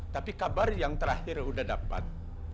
tapi kabar yang terakhir sudah dapat